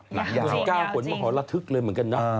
หนังยาวหนังเวลา๑๙ขนมะข่อนระทึกเลยเหมือนกันนะ